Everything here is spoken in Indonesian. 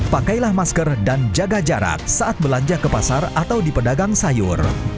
pakailah masker dan jaga jarak saat belanja ke pasar atau di pedagang sayur